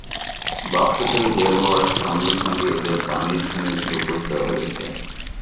বাক্স থেকে বের হওয়ার সঙ্গে সঙ্গে এদের পানির সঙ্গে গ্লুকোজ দেওয়া হয়েছে।